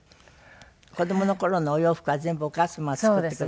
子どもの頃のお洋服は全部お母様が作ってくだすった。